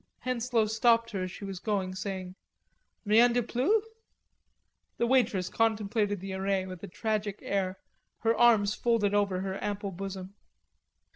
Henslowe stopped her as she was going, saying: "Rien de plus?" The waitress contemplated the array with a tragic air, her arms folded over her ample bosom.